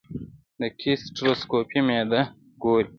د ګیسټروسکوپي معده ګوري.